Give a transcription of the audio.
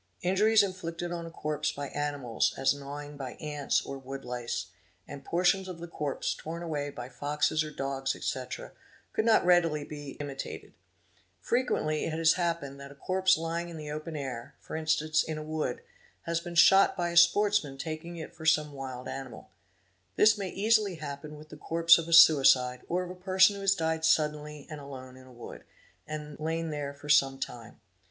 Injuries inflicted on a corpse by animals, as gnawing by ants or woodlice, and portions of the corpse torn away by foxes or dogs, etc., could not readily be imitated. Frequently it has happened that a corpse lying in the 'open air, for instance in a wood, has been shot by a sportsman taking rey ae eon th 4 DM a a Sm RRUNRLE APSE 5M, SSATP EMBED AN 1 ARERR EET it for some wild animal. This may easily happen with the corpse of a s icide, or of a person who has died suddenly and alone in a wood, and Jain there for some time.